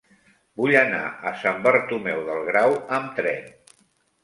Vull anar a Sant Bartomeu del Grau amb tren.